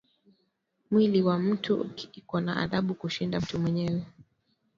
Mwili ya mtu iko na adabu kushinda mtu mwenyewe